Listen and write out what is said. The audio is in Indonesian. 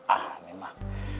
ah ini mah